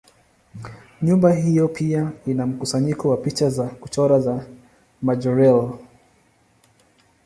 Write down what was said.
Nyumba hiyo pia ina mkusanyiko wa picha za kuchora za Majorelle.